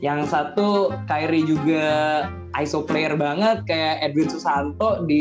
yang satu kri juga iso player banget kayak edwin susanto